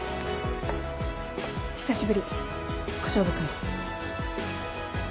久しぶり小勝負君。